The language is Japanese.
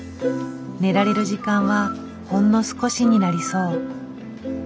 寝られる時間はほんの少しになりそう。